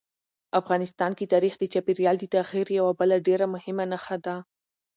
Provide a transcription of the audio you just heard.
افغانستان کې تاریخ د چاپېریال د تغیر یوه بله ډېره مهمه نښه ده.